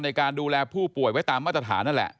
ในการดูแลผู้ป่วยไว้ตามมาตรฐานนั่นแหละ